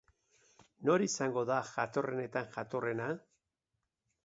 Nor izango da jatorrenetan jatorrena?